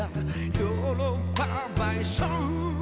「ヨーロッパバイソン」